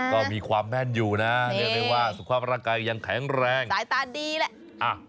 ก็มีความแม่นอยู่นะเรียกได้ว่าสุขภาพร่างกายยังแข็งแรงสายตาดีแหละ